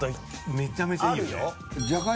めちゃめちゃいいよね。